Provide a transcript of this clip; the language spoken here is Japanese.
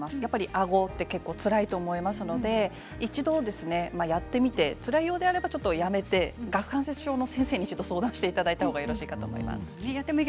あごは結構つらいと思いますので一度、やってみてつらいようであればやめて顎関節症の先生に相談していただいた方がいいと思います。